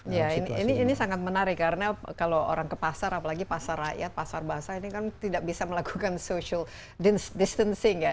ya ini sangat menarik karena kalau orang ke pasar apalagi pasar rakyat pasar basah ini kan tidak bisa melakukan social distancing ya